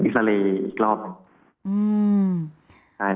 แต่ไม่